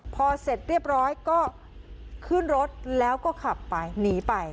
พอเสร็จเรียบร้อยก็ขึ้นรถแล้วก็ขับไปหนีไป